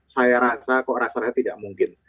saya rasa kok rasanya tidak mungkin